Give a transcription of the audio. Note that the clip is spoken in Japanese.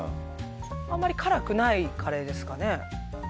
あんまり辛くないカレーですかね。